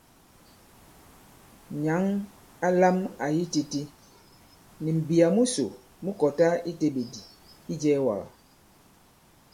Nyǎŋ a lām àyi titī, nì m̀mbìyà musò mu kɔtā i teɓèdì̀ i ijɛ̄ɛ̄wàgà.